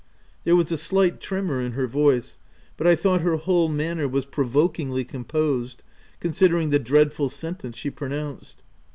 There was a slight tremour in her voice, but I thought her whole manner was provokingly composed, considering the dreadful sentence she pronounced.